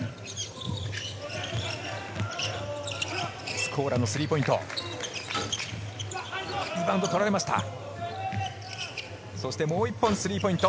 スコーラのスリーポイント。